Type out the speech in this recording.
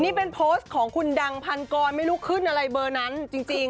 นี่เป็นโพสต์ของคุณดังพันกรไม่รู้ขึ้นอะไรเบอร์นั้นจริง